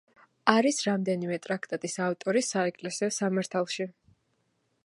არის რამდენიმე ტრაქტატის ავტორი საეკლესიო სამართალში.